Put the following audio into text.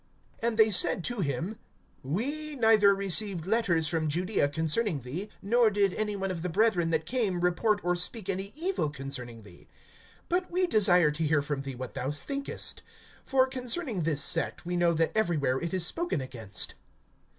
(21)And they said to him: We neither received letters from Judaea concerning thee, nor did any one of the brethren that came, report or speak any evil concerning thee. (22)But we desire to hear from thee what thou thinkest; for concerning this sect, we know that everywhere it is spoken against.